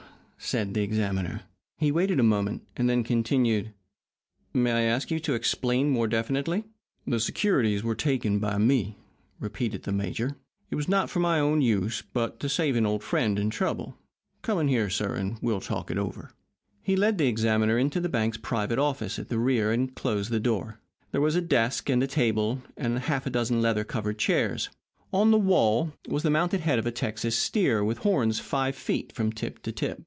said the examiner. He waited a moment, and then continued: "May I ask you to explain more definitely?" "The securities were taken by me," repeated the major. "It was not for my own use, but to save an old friend in trouble. Come in here, sir, and we'll talk it over." He led the examiner into the bank's private office at the rear, and closed the door. There was a desk, and a table, and half a dozen leather covered chairs. On the wall was the mounted head of a Texas steer with horns five feet from tip to tip.